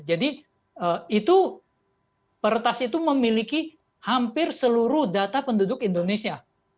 jadi itu pertas itu memiliki hampir seluruh data penduduk indonesia